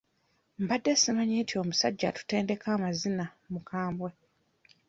Mbadde simanyi nti omusajja atutendeka amazina mukambwe.